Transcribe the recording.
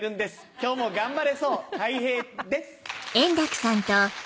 今日も頑張れそうたい平です！